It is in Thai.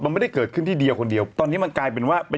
มันไม่ได้เกิดขึ้นที่เดียวคนเดียวตอนนี้มันกลายเป็นว่าเป็น